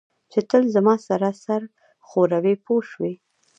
چې تل زما سره سر ښوروي پوه شوې!.